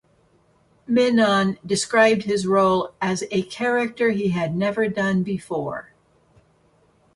Menon described his role as "a character he had never done before".